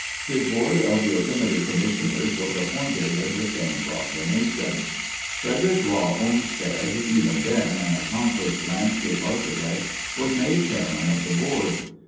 His board of Yosemite commissioners was appointed in the same proclamation. Frederick Law Olmsted, even then an accomplished landscape architect, was made chairman of the board.